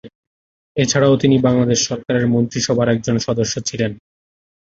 এছাড়াও তিনি বাংলাদেশ সরকারের মন্ত্রিসভার একজন সদস্য ছিলেন।